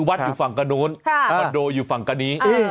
ครับคือวัดอยู่ฝั่งกะโน้น